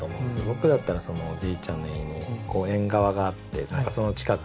僕だったらおじいちゃんの家に縁側があってその近くにあったとか。